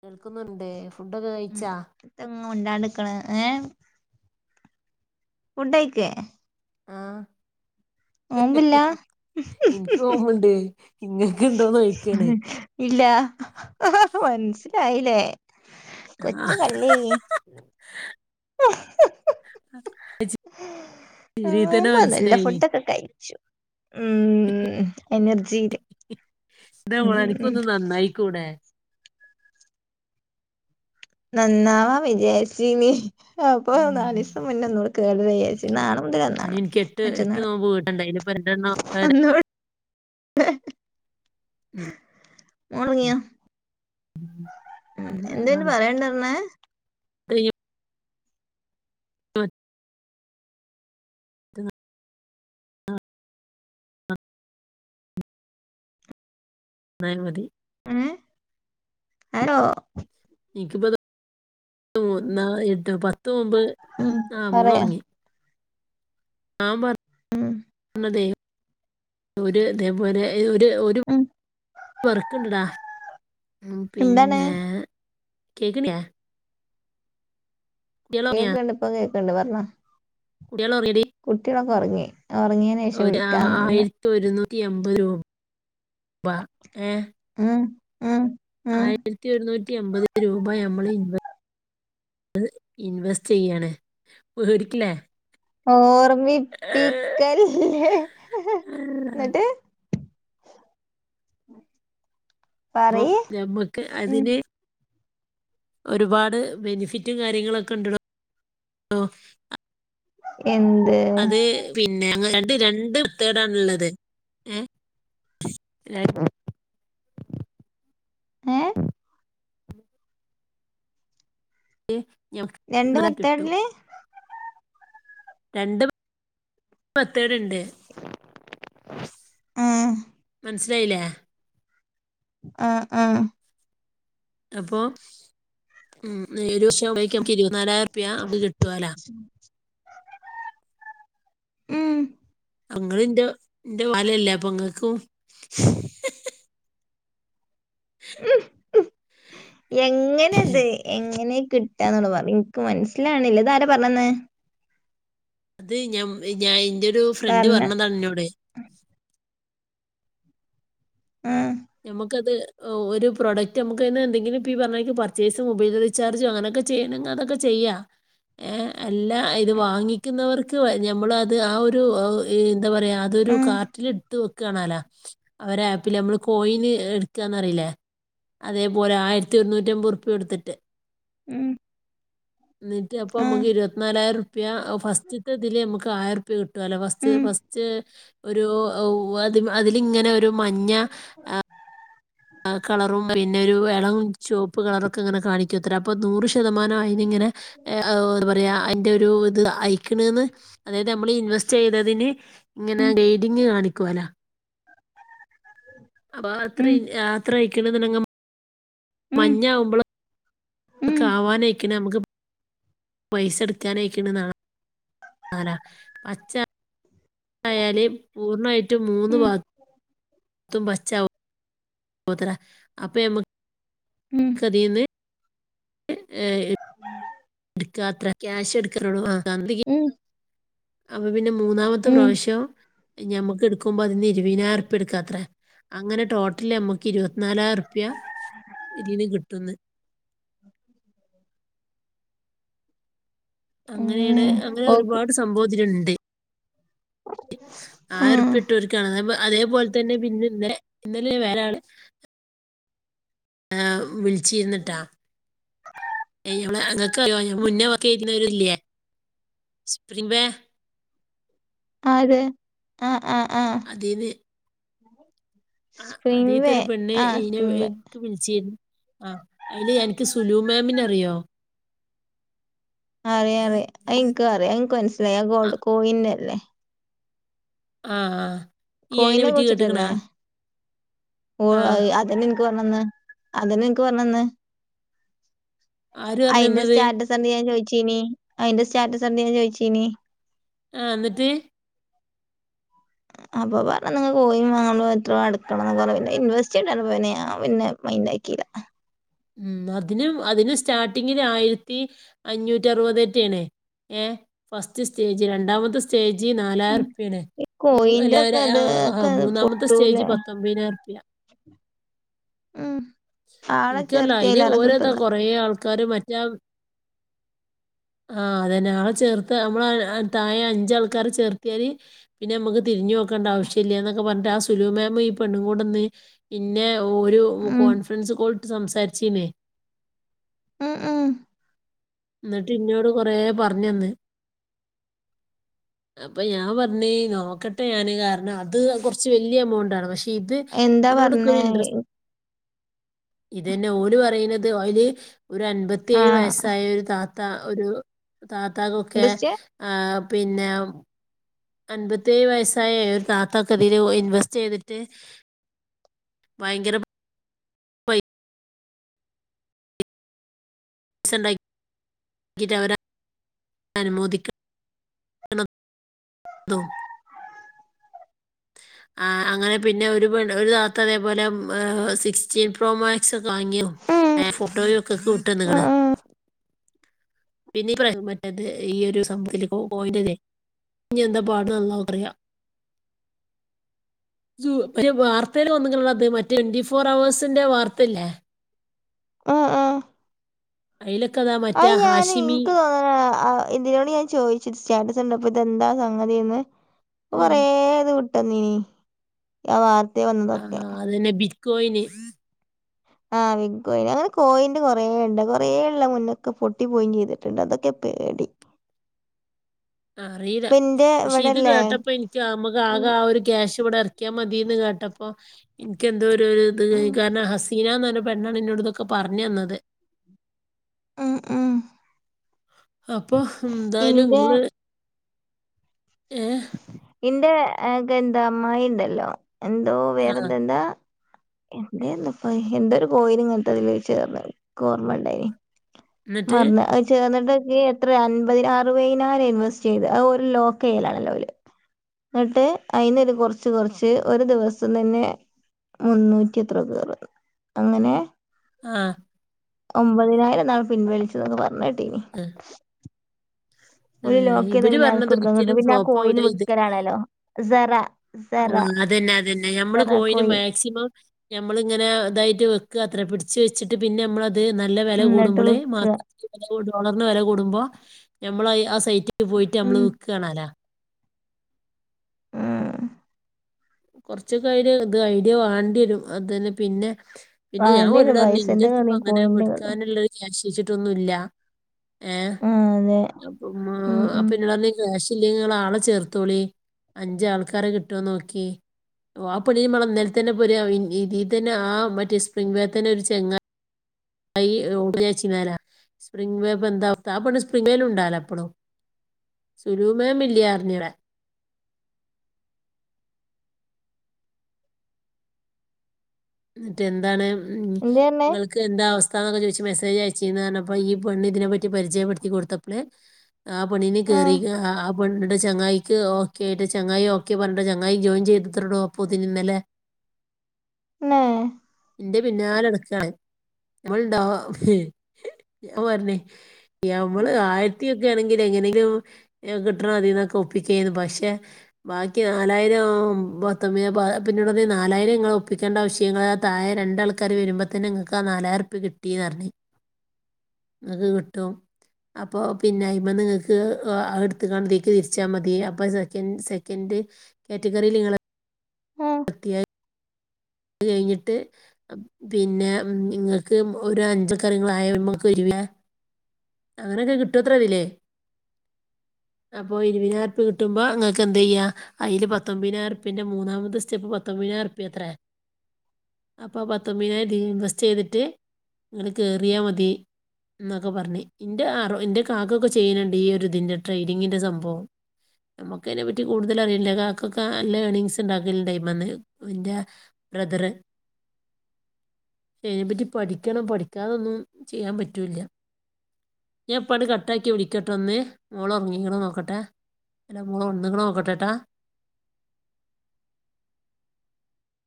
കേൾക്കുന്നുണ്ട് ഫുഡൊക്കെ കഴിച്ചാ മുണ്ടാണ്ട്ക്കണ ഏഹ് ഫുഡെയ്ക്കെ ആഹ് [inaudible] [inaudible] എനിക്ക് ഓർമ്മണ്ട് ഇങ്ങക്ക് ഇണ്ടോന്ന് ചോയിക്കാണ് ഇല്ലാ മനസിലായില്ലേ കൊച്ച് ആഹ് കള്ളി ഇതിൽ തന്നെ ആമ്മ നല്ല മനസ്സിലായിനി ഫുഡൊക്കെ കഴിച്ചു ഉം എനർജില് എന്താ മോളെ ഉം അനക്കൊന്ന് നന്നായിക്കൂടെ നന്നാവ വിജാരിച്ചിനി അപ്പ ഉം നാല് ദിവസം മുന്നേ ഒന്നുടി കേറണന്നു വിചരിച് നാളമുതലെന്നാണ് മറ്റന്നാള് ഇപ്പൊ രണ്ട് അന്നോട് [inaudible] ഉം മോളോങ്ങിയ [inaudible] ഉം എന്തെന് പറയാനുണ്ടാര്ന്നേ പ്രിയും [unintelligible] റ്റുന്ന ആഹ് നാൻ മതി എഹ് ഹലോ എനിക്കിപ്പ [unintelligible] ദ ഒന്നാ എട്ട് പത്ത് മുമ്പ് ഉം ആ മോള് പറയാ ഒറങ്ങി ആഹ് പറ ഉം അതെ ഒരു അതേപോലെ ഒരു ഒരു ഉം വർക്ക് ഇണ്ട്ടാ ഉം എന്താണ് പിന്നെ കേക്കണില്ലേ കേക്കണ്ട് ഇപ് കുട്ടികളോറങ്ങിയോടി ഒറങ്ങി ഒരു ആയിരത്തി ഒരുന്നൂറ്റി അമ്പത് രൂപ ഏ ഉം ഉം ഉം ആയിരത്തി ഒരുന്നൂറ്റി അമ്പത് രൂപ എ വ ഇൻവെസ്റ്റ് ചെയ്യയാണ്ടരിക്കില്ലേ [unintelligible] ഓർമ്മിപ്പിക്കല്ലേ എന്നിട്ട് അപ്പം പറയ് നമ്മുക്ക് ഉം അതിനെ ഒരുപാട് ബെനിഫിറ്റും കാര്യങ്ങളൊക്കെ ഇണ്ട്ടും എന്ത് അത് പിന്നെ ഞങ്ങ രണ്ട് തേടണള്ളത് ഏ ല്ലേ ഏ [inaudible] രണ്ട് ഞത്നം കിട്ടു മെത്തേഡില് രണ്ട് മെത്തേടു ഇണ്ട് ആഹ് മനസിലായില്ലേ ആ ആ അപ്പൊ മം ഒരു [unintelligible] ഇരുമ്പത്തി നാലായിരം റുപ്യ നമുക്ക് കിട്ടുവല്ലോ [unintelligible] മം ഇങ്ങൾ ഇന്റെ വൽ ആല്ലെ ആപ്പൊ ഇങ്ങൾക്കും എങ്ങനെത് എങ്ങനെ കിട്ട ട്ടന്നോ പറി ഇനിക്ക് മനസ്സിലാണ്ല്ല ഇതാര പറഞ്ഞ്തന്നെ അത് ഞാൻ ഞാൻ എന്റെ ഒരു ഫ്രണ്ട് പറഞ്ഞ പറഞ്ഞതാണ് ഇന്നോട് ആഹ് ഞമ്മക്കത് ഓ ഒരു പ്രൊഡക്റ്റ് നമുക്ക് അതിനു എന്തെങ്കിലും പറഞ്ഞ പർച്ചേസ് മൊബൈൽ റിചാർജും അങ്ങനൊക്കെ ചെയ്യണെങ്കിൽ അതൊക്കെ ചെയ്യ യ്യാം ഏ അല്ല ഇത് വാങ്ങിക്കുന്നവർക്ക് ഞമ്മൾ അത് ആ ഒരു എന്താ പറയാ അത് ഒരു ആഹ് കാർട്ടിൽ ഇട്ട് വെക്കുവാണല്ലോ അവരെ ആപ്പിൽ നമ്മള് കോയിന് എടുക്കാന്ന്റിയില്ലേ അതേപോലെ ആയിരത്തി ഒരുന്നൂറ്റി അമ്പത് ഉറപ്പ്യ എടുത്തിട്ട് മം എന്നിട്ട് അപ്പൊ നമുക്ക് ഇരുപത്തിനാലായിരം റുപ്യ ഫസ്റ്റ്ത്തെ ഇതില് നമുക്ക് ആയിരം രൂപ കിട്ടും കിട്ടു അല്ല ഫസ്റ്റ് ഉം ഫസ്റ്റ് ഒരു അതി അതിലിങ്ങനെ ഒരു മഞ്ഞ കളറും പിന്നെ ഒരു ഇളം ചുവപ്പ് കളറൊക്കെ ഇങ്ങനെ കാണിക്കത്തരാ അപ്പൊ നൂറ് ശതമാനംമായി ഇങ്ങനെ ആ എന്താ പറയാ അതിന്റെറെ ഒരു ഇത് അയക്കണന്ന് അതായത് നമ്മൾ ഇൻവെസ്റ്റ് ചെയ്തതിന് ഇങ്ങനെ ഉം ഗ്രേഡിങ് കാണിക്ക ക്കുവാല്ലോ അപ്പൊ അത്ര ഉം അത്ര അയിക്കണങ്ങ നമ്മ ഉം മഞ്ഞാവുമ്പള ഉം നമുക്ക് ആവാനായിക്ക് നമുക്ക് പൈസെടുക്കാനയിക്ക്ണ ആല പച്ച ആയല് പൂർണ്ണമായിട്ടും മൂന്ന ഉം പാദം ത്തും പച്ച ത്ര ഇപ്പം ഉം നമുക്കതിന് എത്ര ക്യാഷ് എടുക്കാനോടെങ്ക [unintelligible] ഉം അപ്പ പിന്നെ മൂന്നാമത്തെ ഉം പ്രാവശ്യം ഞമ്മക്ക് എടുക്കുമ്പോ അതിന്ന് ഇരുപതിനായിരം റുപ്യ എടുക്കാത്രേ അങ്ങനെ ടോട്ടൽ നമ്മുക്ക് ഇരുപത്തിനാലായിരം റുപ്യ ഇതീന്ന് കിട്ടുന്നു അങ്ങനെയാണ് ഉം അങ്ങനെ ഓക്ക് ഒരുപാട് സംഭവം ഇതില്ണ്ട് ആഹ് ആയിരപ്യ ഇടോൽക്ക്ണ് എർപ്പെിട്ടൊക്കാണ് അതേപോലെ തന്നെ പിന്നെന്നെ ഇന്നല്ല വേറെ ആള് ആ വിളിച്ചിരുന്നുട്ടാ ക്കോ ഞ മുന്നേ ഒക്കെ ഇരുന്നവരല്ലേ സ്ര [unintelligible] അതെ ആ അതേവേ ആ സ്പ്രിംഗ് വേ അതീത്തെരു പെണ്ണ് ആഹ് സ്പ്രിംഗ് വേ ഇൻക്ക് വിളിച്ചിരുന്നു ആ അയില് എനിക്ക് സുലു മാമിന അറിയോ അറിയ അറിയ അ ഇൻക്ക് അറിയാ ഇൻക്ക് മനസ്സിലായി ആ ഗോൾഡ് കോയിനല്ലേ ആ ആ ഈ അയിനെ പറ്റി കേട്ട്ക്ക്ണാ ഓ അത് അതന്നെ ഇൻക്ക് പറഞ്ഞന്ന് അതന്നെ ഇൻക്ക് പറഞ്ഞന്ന് ആര് പറഞ്ഞു അയിന്റെ തന്നത് സ്റ്റാറ്റസ് കണ്ട് ഞാൻ ചോയിച്ചീനി അയിന്റെ സ്റ്റാറ്റസ് കണ്ട് ഞാൻ ചോയിച്ചീനി ആ എന്നിട്ട് അപ്പം പറഞ്ഞുതന്നു നിങ്ങൾ പോയി അഞ എത്രോ അടക്കണംന്ന് കുറേ പിന്നെ ഇൻവെസ്റ്റ് അറിഞ്ഞപ്പോൾ ഞാൻ പിന്നെ മൈൻഡാക്കി [inaudible] മം അതിനും അതിന് സ്റ്റാർട്ടിങ്ങിൽ ആയിരത്തി അഞ്ഞൂറ്റി അറുപതെറ്റെണേ ഏ ഫസ്റ്റ് സ്റ്റേജ് രണ്ടാമത് സ്റ്റേ നാലായിരം രുപിയാണ് കോയിന്റെ ഒക്കെ ഇത് ഒക്കെ മൂന്നാമത്തെ സ്റ്റേജി പൊട്ടൂലേ പത്തൊമ്പതിനായിരം ബിയാ ഉം ആളെ പല്ല അയ്ല് ചേർത്തിയയിലേറെ ഓരോത കിട്ടുന്ന കൊറെേ ആൾക്കാര് മറ്റാ [inaudible] ആഹ് അതെന്നെ ആളെ ചേർത്ത് നമ്മള് താഴെ അഞ്ചാൾക്കാരെ ചേർത്തിയല് പിന്നെ നമ്മുക്ക് തിരിഞ്ഞു നോക്കേണ്ട ആവശ്യല്ല്യ നൊക്കെ പറഞ്ഞിട്ട് ആഹ് സുലു മാേമ ഈ പെണ്ണും കൂടെന്ന് ഇ ന്നെ ഒരു ഉം കോൺഫറൻസ് കോളട്ട് സംസാരിച്ചേന്നേ ഉം ഉം എന്നിട്ട് ഇന്നോട് കൊറെ പറഞ്ഞന്ന് അപ്പൊ ഞാൻ പറഞ്ഞി നോക്കട്ടെ ഞാന് കാരണം അത്കുറച്ച് കുറച്ച് വലിയ എമൗണ്ട്ണ് പക്ഷെ ഇത് എന്താ ഇതിനോട്ക്കെ പറഞ്ഞേ ഇൻട്രസ്റ്റ് ഇതന്നെ ഓല് പറയിണത് അയ്ല് ഒരു അൻപത്തിയേഴ് ആഹ് വയസ്സായ ഒരു താത്ത ഒരു താത്തകൊക്കെ എന്തുച്ചെ ആഹ് പിന്നെ അൻ പത്തി അൻപത്തിഏയ്‌ വയസായ ഒരു താ ത്താക്കതിൽ ഇൻവെസ്റ്റ് ചെയ്തിട്ട് ഭയങ്കര [inaudible] പൈസണ്ടാക്കിട്ട് അവരാ അനുമോദിക്ക [unintelligible] ത്തോ ആഹ്, അങ്ങനെ പിന്നെ ഒരു പെണ്ണ് ഒര് താത്ത അതേപോലെ ഏ സിക്സ്റ്റീൻ പ്രോ മാക്സ് വാങ്ങിയോ ഉം ഏഹ് ഫോട്ടോയും ഒക്കെക്ക് ഉം വിട്ടേണുക്ണ് പിന്നീ പറയാ മറ്റേത് ഈ ഒരു സഭൂഹത്തില് ബോയില്ല്ലേ ഇഞ്ഞെന്താ പാട് അള്ളാഹുക്കറിയാം [inaudible] സു മറ്റ്‌ വാർത്തൽവന്നങ്ങളള്ളത് മറ്റ ട്വന്റി ഫോർ അവേഴ്സിന്റെ വാർത്തല്ലേ ആഹ് ആഹ് അയിലോക് ആഹ്ഞാന്ൻക്ക് തോന്ന ഇന്തിനോട് ഞാൻ ചോദിച്ചത് സ്റ്റാറ്റസ് കണ്ടപ്പ ഇതെന്താ സ അതീന്ന് ഉം കൊറേത് വിട്ടന്നിഞ് ആ വർ ആഹ് അതനെ ബിറ്റ്കോയിന് ആ വിഗ് കോയിൻ അങ്ങനെ കോയിന്റ് കൊറേണ്ട് കൊറേമുന്നേള്ളക്കെ പൊട്ടി പോയി ചെയ്തിട്ട്ണ്ട് അതൊക്കെ പേടി അറിയില്ല ഇപ്പന്റെ പക്ഷെ ഇത് ഇവിടെല്ലേ കേട്ടപ്പോ ഇൻക്ക് അമ്മക്ക് ഉം ആകെ ആ ഒരു ക്യാഷ് ഇവിടെ എർക്കിയാ മതിന്ന് കേട്ടപ്പോ ഇൻക്കെന്തോ രു രു ഇത് ഉം കാരണം ഹസീന ന്റെ പെണ്ണാണ് ഇന്നോട് ഇതൊക്കെ പറഞ്ഞന്നത്. ഉം ഉം അപ്പൊ എന്തായാലും ഇന്റെ ഇങ്ങൾ ഏഹ് ഇന്റെയെ ക്കെ എന്താ അമ്മായി ഉണ്ടല്ലോ എന്തോ ആ വേറെന്തോ എന്താ എന്തേന്ന് ഇപ്പം എന്തൊരു കോയിന് ഇങ്ങനത്തെ അതില് ചേർന്ന്നി ക്ക് ഓർമ്മുണ്ടായിനി എന്നിട്ട് മറന്ന് അത് ചേർന്നിട്ട് എത്ര അൻപതി അറുപതിനായിരം ഇൻവെസ്റ്റ് ചെയ്ത് ആ ഒരു [unintelligible] എന്നിട്ട് അയിനൊര് കൊറച്ച് കൊറച്ച് ഒരു ദിവസം തന്നെ മുന്നൂറ്റി എത്രയോ പേർ അങ്ങനെ ആഹ് ഒമ്പതിനായിരം ന്നാള് പിൻവലിച്ചതെന്ന് പറഞ്ഞ് കേട്ടീനി ആ, ഒര് ലോക്ക് ചെയ്താ ഇവര് പിന്നെ പറഞ്ഞത് ആർക്കും എടുക്കാൻ ഒരിക്കലും കിട്ടുവോ. പിന്നാ ഫ്ലോപ്പ് ആവില്ല കോയിനെ ഇത് വിക്കലാണല്ലോ സറാ ആ അതന്നെ അതന്നെ ഞമ്മള് കോയിന് കോയിൻ മാക്സിമം ഞമ്മളിങ്ങനെ ഇതായിട്ട് വെയ്ക്കുകാത്രെ പിടിച്ച് വെച്ചിട്ട് പിന്നെ നമ്മള് നല്ല വില എന്നിട്ട് കൂടുമ്പോള് വിക്ക മാസ ഡോളറിന് വില കൂടുമ്പോ ഞമ്മള് ആ സെ പോയിട്ട് നമ്മള് ഉം വിക്കാണല്ലോ ആ കൊറച്ചൊക്കെ അയിന് ഇത് ഐഡിയ വേണ്ടി വരും അതിന് പിന്നെ പിന്നെ ഞാൻ ഓരോട്‌ വാണ്ടിരും റഞ്ഞ് ഇന്റെ പൈസന്റെ അടുത്തിപ്പം കളിയും അങ്ങനെ കോയിന്റെ കളിയും എടുക്കാനുള്ളൊരു ക്യാഷ് ച്ചിട്ടൊന്നുമില്ല ഏ ആഹ് അതെ അപ്പം ഉം ഉം എന്നോട് പറഞ്ഞ് ക്യാഷ് ഇല്ലെങ്കി നിങ്ങള് ആളെ ചേർത്തോളി അഞ്ച് ആൾക്കാരെ കിട്ടുവോന്ന് നോക്കി ഓ ആ [unintelligible] ഇതിൽ തന്നെ ആ മറ്റേ സ്പ്രിംഗ് വേൽ തന്നെ ഒരു ചെങ്ങാ [unintelligible] സ്പ്രിംഗ വേവ് എന്താ അവസ്ഥ ആ പെണ്ണ് സ്പിംഗ് വേൽ ഉണ്ടാലോ എപ്പൊടും സുലൂമേമില്ല്യ അറിഞ്ഞിട മറ്റേ എന്താണ് ഉം എന്തേ പറഞ്ഞേ നിങ്ങൾക്ക് എന്താ അവസ്ഥാന്നൊക്കെ ചോദിച്ച്മെസ്സേ മെസ്സേജ് അയച്ചീന്ന് പറഞ്ഞപ്പം ഈ പെണ്ണ് ഇതിനെ പറ്റി പരിചയപ്പെടുത്തി കൊടുത്തപ്പള് ആ പെണ്ണിന് ആഹ് കേറിയിക്ക് ആ പെണ്ണിന്റെ ചങ്ങായിക്ക് ഓക്കെ ആയിട്ട് ചങ്ങായി ഓക്കെ പറഞ്ഞിട്ട് ചങ്ങായി ജോയിൻ ചെയ് [unintelligible] ഇന്നലെ നേ ന്റെ പിന്നാലെ നടക്കാണ് നമ്മൾ ഇണ്ടാവാ മ പറഞ്ഞ് ഞമ്മള് ആയിരത്തി യെക്കെ ആണെങ്കിൽ എങ്ങനെങ്കിലും കിട്ടണം അതീന്നൊക്കെ ഒപ്പിക്കാരുന്നു പക്ഷെ ബാക്കി നാലായിരം [unintelligible] അപ്പം ഇന്നോട് പറഞ്ഞ് നാലായിരം ഇങ്ങള് ഒപ്പിക്കേണ്ട ആവശ്യങ്ങ തായെ രണ്ടാൾക്കാര് വരുമ്പോത്തന്നെ നിങ്ങൾക്ക് ആ നാലായിരംറുപ്പിയ കിട്ടീന്ന് പറഞ്ഞ് അത് കിട്ടും അപ്പൊ പിന്നെ അയിമ്മേ നിങ്ങക്ക് അടുത്ത കാണത്തേക്ക് തിരിച്ചാൽ മതി അപ്പൊ സെക്കൻഡ് സെക്കൻഡ് കാറ്റഗറീൽ നിങ്ങള് ആഹ് പത്തിയായി അത് കഴിഞ്ഞിട്ട് പിന്നെ നിങ്ങൾക്ക് ഒരു അഞ്ച് [unintelligible] ആ അങ്ങനൊക്കെ കിട്ടുവത്ര ഇതില് അപ്പൊ ഇരുപയ്നാറുപ്പ്യ കിട്ടുമ്പോ ങ്ങൾക്ക് എന്ത് യ്യാ അയ്ല് പത്തൊമ്പയിറുപ്പ്യന്റ മൂന്നാമത്തെ സ്റ്റെപ്പ് പത്തൊ പത്തൊമ്പതിനാറുപ്പ്യത്രേ അപ്പൊ പത്തൊമ്പതിനായി ഇതി ഇൻവെസ്റ്റ് ചെയ്തിട്ട് ഇങ്ങനെ കേറിയാ മതി എന്നൊക്കെ പറഞ്ഞ് എന്റെ അറ എന്റെ കാക്കൊക്കെ ചെയ്യുന്നുണ്ട് ഈ ഒരു ഇതിന്റെ ട്രെയിനിങ്ങിന്റെ സംഭവം നമ്മുക്ക് അതിനെ പറ്റി കൂടുതൽ അറിയില്ല കാക്കൊക്കെ നല്ല ഏർണിങ്സ് ഉണ്ടാക്കലുണ്ട് അയിമ്മേന്ന് ഇന്റെ ബ്രദറ് [unintelligible] പക്ഷെ അതിനെ പറ്റി പഠിക്കണം പഠിക്കാതൊന്നും ചെയ്യാൻ പറ്റൂല്ല ഞൻ എപ്പാണ് കട്ടാക്കി വിടിക്കട്ടെ ഒന്ന് മോളൊറങ്ങീ നോക്കട്ടെ, എല്ലാ മൂളോ ഒന്നങ്ങണോക്കട്ടട്ടാ. [unintelligible]